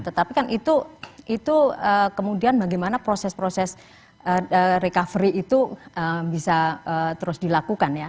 tetapi kan itu kemudian bagaimana proses proses recovery itu bisa terus dilakukan ya